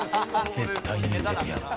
絶対に売れてやる。